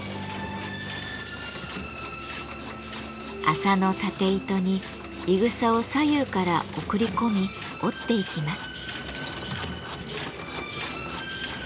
麻の縦糸にいぐさを左右から送り込み織っていきます。